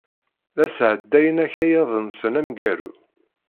La sɛeddayen akayad-nsen ameggaru.